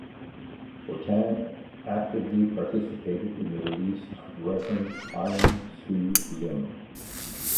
Fortin actively participated in the release of Reverend Hyeon Soo Lim.